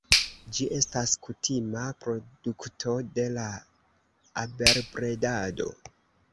Ĝi estas kutima produkto de la abelbredado.